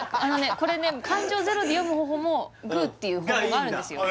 これね感情ゼロで読む方法もグーっていう方法があるんですよ